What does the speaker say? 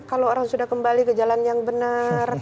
kalau orang sudah kembali ke jalan yang benar